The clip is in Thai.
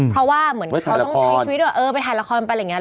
เพราะว่าเหมือนเขาต้องใช้ชีวิตว่าเออไปถ่ายละครไปอะไรอย่างนี้